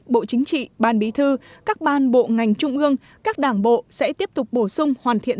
bộ chính trị ban bí thư các ban bộ ngành trung ương các đảng bộ sẽ tiếp tục bổ sung hoàn thiện